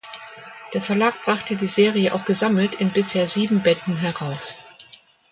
Der Verlag brachte die Serie auch gesammelt in bisher sieben Bänden heraus.